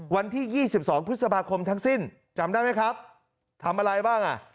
วันที่๒๒พฤษภาคมทั้งสิ้นจำได้ไหมครับทำอะไรบ้างอ่ะ